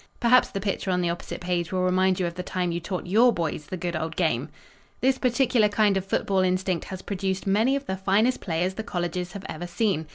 Perhaps the picture on the opposite page will remind you of the time you taught your boys the good old game. This particular kind of football instinct has produced many of the finest players the colleges have ever seen.